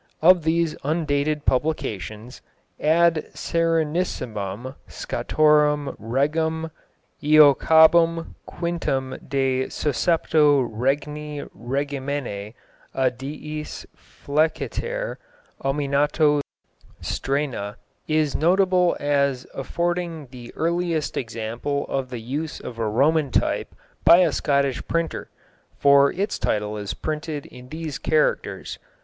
Of these undated publications, Ad Serenissimum Scotorum Regem Iacobum Quintum de suscepto Regni Regimine a diis feliciter ominato Strena is notable as affording the earliest example of the use of Roman type by a Scottish printer, for its title is printed in these characters.